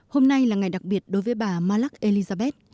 hôm nay là ngày đặc biệt đối với bà malak elizabeth